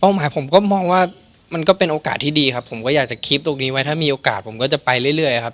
หมายผมก็มองว่ามันก็เป็นโอกาสที่ดีครับผมก็อยากจะคลิปตรงนี้ไว้ถ้ามีโอกาสผมก็จะไปเรื่อยครับ